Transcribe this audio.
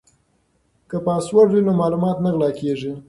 که پاسورډ وي نو معلومات نه غلا کیږي.